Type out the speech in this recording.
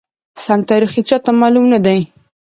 سم تاریخ یې چاته معلوم ندی،